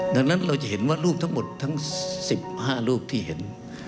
ดังนั้นเราจะเห็นว่ารูปทั้งหมดทั้ง๑๕รูปที่เห็น